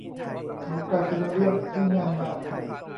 เขากลายเป็นเรื่องที่ง่ายมาก